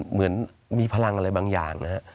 เหมือนมีพลังอะไรบางอย่างนะฮะ